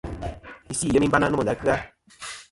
Isɨ i yemi bana nomɨ nda kɨ-a.